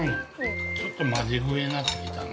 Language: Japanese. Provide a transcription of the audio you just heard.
◆ちょっとマジ食いになってきたな。